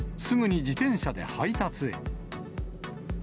すぐに自転車で配達へ。